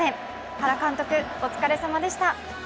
原監督、お疲れさまでした。